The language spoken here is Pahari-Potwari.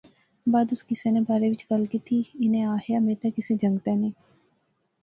بعد اس کیسے نے بارے وچ گل کیتی۔ انیں آخیا میں تے کسے جنگتے نے